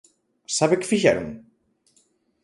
¿Sabe que fixeron?